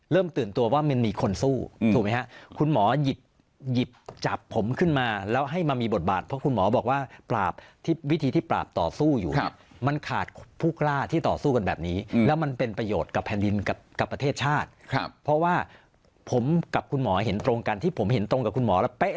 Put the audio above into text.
ตื่นตัวว่ามันมีคนสู้ถูกไหมฮะคุณหมอหยิบจับผมขึ้นมาแล้วให้มามีบทบาทเพราะคุณหมอบอกว่าปราบที่วิธีที่ปราบต่อสู้อยู่เนี่ยมันขาดผู้กล้าที่ต่อสู้กันแบบนี้แล้วมันเป็นประโยชน์กับแผ่นดินกับประเทศชาติครับเพราะว่าผมกับคุณหมอเห็นตรงกันที่ผมเห็นตรงกับคุณหมอแล้วเป๊ะ